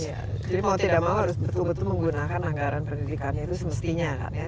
jadi mau tidak mau harus betul betul menggunakan anggaran pendidikannya itu semestinya kan ya